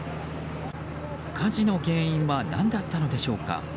火事の原因は何だったのでしょうか。